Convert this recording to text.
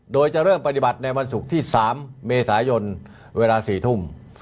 โดยจะเริ่มปฏิบัติในวันศุกร์ที่๓เมษายนเวลา๔ทุ่ม